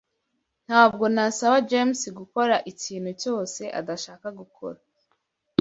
Ntabwo nasaba James gukora ikintu cyose adashaka gukora.